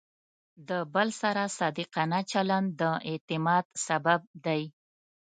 د بل سره صادقانه چلند د اعتماد سبب دی.